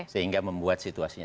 sehingga membuat situasinya